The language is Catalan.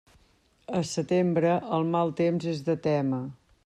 A setembre, el mal temps és de témer.